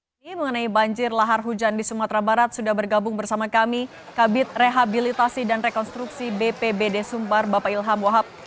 ini mengenai banjir lahar hujan di sumatera barat sudah bergabung bersama kami kabit rehabilitasi dan rekonstruksi bpbd sumbar bapak ilham wahab